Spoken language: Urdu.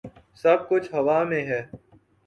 سب کچھ ہوا میں ہے۔